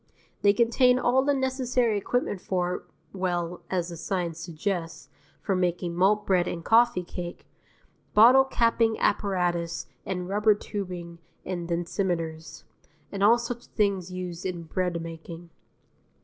They contain all the necessary equipment for well, as the signs suggest, for making malt bread and coffee cake bottle capping apparatus and rubber tubing and densimeters, and all such things used in breadmaking.